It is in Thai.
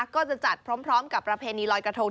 ก็จะจัดพร้อมกับประเพณีลอยกระทง